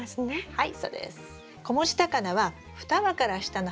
はい。